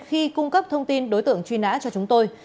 khi cung cấp thông tin đối tượng truy nã cho chúng tôi